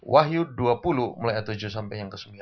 wahyu dua puluh mulai a tujuh sampai yang ke sembilan